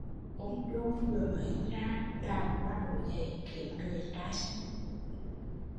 Ông dôn vừa mới đi ra, đào hoa nổi dậy kiếm người trai xinh